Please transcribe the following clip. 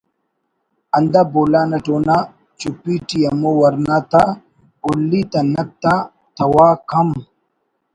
ہندا بولان اٹ اونا چُپی ٹی ہمو ورنا تا ہلی تا نت تا توارک ہم